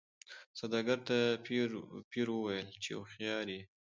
سوداګر ته پیر ویله چي هوښیار یې